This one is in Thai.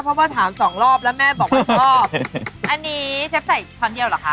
เพราะว่าถามสองรอบแล้วแม่บอกว่าชอบอันนี้เชฟใส่ช้อนเดียวเหรอคะ